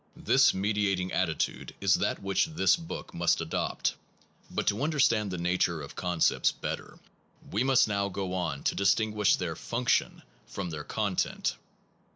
This mediating attitude is that which this book must adopt. But to understand the nature of concepts better we must now go on to distinguish their function from their content.